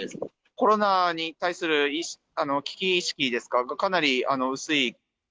コロナに対する危機意識ですか、かなり薄い。